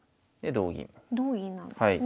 同銀なんですね。